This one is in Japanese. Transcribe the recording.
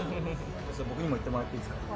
それ僕にも言ってもらっていいすか？